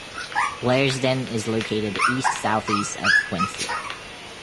Blairsden is located east-southeast of Quincy.